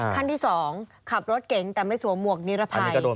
ขั้นที่๒ขับรถเก๋งแต่ไม่สวมหวกนิรภัย